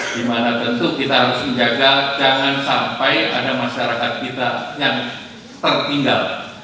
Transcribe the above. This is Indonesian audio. di mana tentu kita harus menjaga jangan sampai ada masyarakat kita yang tertinggal